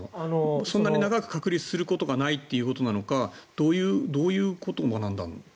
そんなに長く隔離することがないということなのかどういうことなんだろうって。